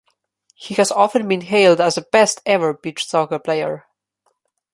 He has often been hailed as the best-ever beach soccer player.